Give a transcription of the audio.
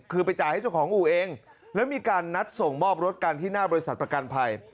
คือไปจ่ายให้เจ้าของอู่เองแล้วมีการนัดส่งมอบรถกันที่หน้าบริษัทประกันภัย